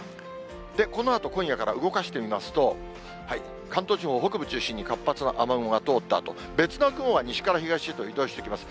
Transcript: このあと今夜から動かしてみますと、関東地方、北部中心に活発な雨雲が通ったあと、別の雲が西から東へと移動してきます。